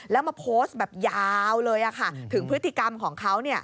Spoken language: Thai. แล้วมาโพสต์แบบยาวเลยถึงพฤติกรรมของเขา